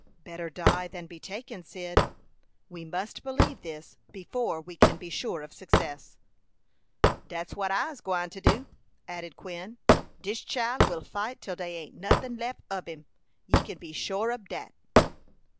"Better die than be taken, Cyd. We must believe this before we can be sure of success." "Dat's what I's gwine to do," added Quin. "Dis chile will fight till dey ain't notin lef ob him ye kin be shore ob dat."